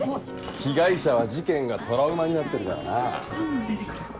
被害者は事件がトラウマになってるからな。